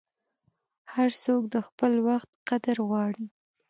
هر څوک د خپل وخت قدر غواړي.